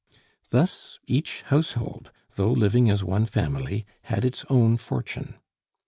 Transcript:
Thus each household, though living as one family, had its own fortune.